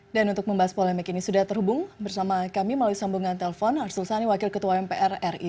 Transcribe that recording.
dan untuk membahas polemik ini sudah terhubung bersama kami melalui sambungan telpon arsul sani wakil ketua mpr ri